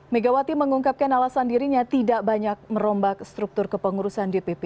megawati mengungkapkan alasan dirinya tidak banyak merombak struktur kepengurusan dpp